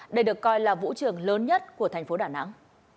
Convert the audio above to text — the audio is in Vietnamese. đây được coi là vũ trường lớn nhất của thành phố đà nẵng